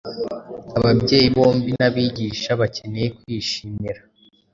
Ababyeyi bombi n’abigisha bakeneye kwishimira